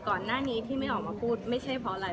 ก่อนหน้านี้ที่ไม่ออกมาพูดไม่ใช่เพราะอะไร